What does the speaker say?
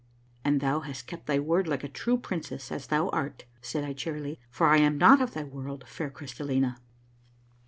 " And thou hast kept thy word like a true princess as thou art," said I cheerily, "for I am not of thy world, fair Crystal lina."